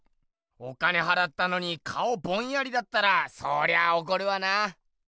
お金はらったのに顔ボンヤリだったらそりゃあおこるわな。